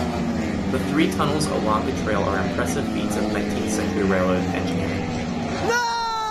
The three tunnels along the trail are impressive feats of nineteenth-century railroad engineering.